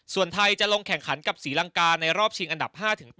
ส่วนไทยจะลงแข่งขันกับศรีลังกาในรอบชิงอันดับ๕๘